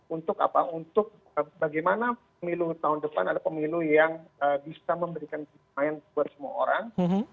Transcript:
untuk bagaimana pemilu tahun depan adalah pemilu yang bisa memberikan kemahiran buat semua orang